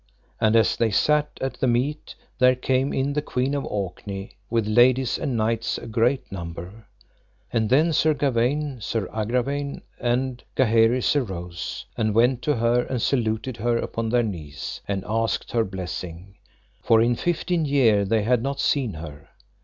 And as they sat at the meat, there came in the Queen of Orkney, with ladies and knights a great number. And then Sir Gawaine, Sir Agravaine, and Gaheris arose, and went to her and saluted her upon their knees, and asked her blessing; for in fifteen year they had not seen her.